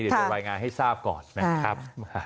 แบบว่าก็วัยงานให้ทราบก่อนนะครับ